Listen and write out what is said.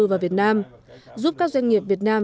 vào việt nam giúp các doanh nghiệp việt nam